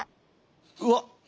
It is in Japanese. うわっ！